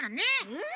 うん！